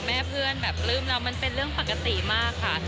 แม่เพื่อนแบบปลื้มเรามันเป็นเรื่องปกติมากค่ะ